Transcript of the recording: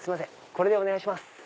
これでお願いします。